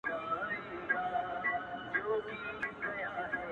گراني په تاڅه وسول ولي ولاړې ;